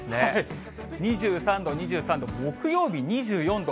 ２３度、２３度、木曜日２４度。